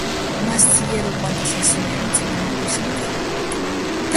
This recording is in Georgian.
მას ძლიერ უყვარდა სასულიერო წიგნების კითხვა.